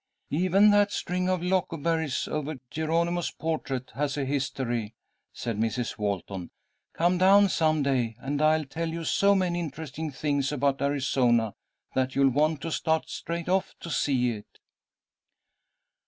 "Even that string of loco berries over Geronimo's portrait has a history," said Mrs. Walton. "Come down some day, and I'll tell you so many interesting things about Arizona that you'll want to start straight off to see it."